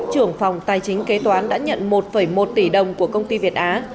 trưởng phòng tài chính kế toán đã nhận một một tỷ đồng của công ty việt á